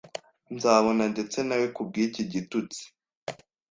Nzabona ndetse nawe kubwiki gitutsi!